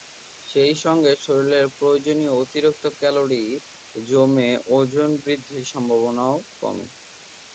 সেই সঙ্গে শরীরে প্রয়োজন অতিরিক্ত ক্যালরি জমে ওজন বৃদ্ধির সম্ভাবনাও কমে।